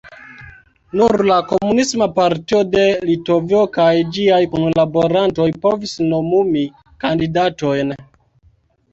Nur la Komunisma partio de Litovio kaj ĝiaj kunlaborantoj povis nomumi kandidatojn.